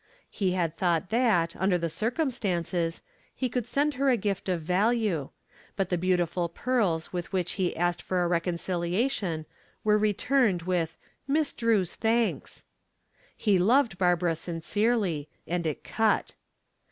He had thought that, under the circumstances, he could send her a gift of value, but the beautiful pearls with which he asked for a reconciliation were returned with "Miss Drew's thanks." He loved Barbara sincerely, and it cut.